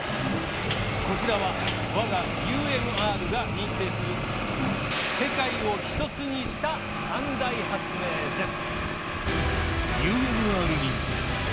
こちらは我がＵＭＲが認定する「世界を１つにした三大発明」です。